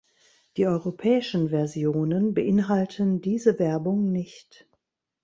Die europäischen Versionen beinhalten diese Werbung nicht.